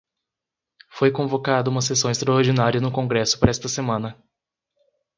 Foi convocada uma sessão extraordinária no congresso para esta semana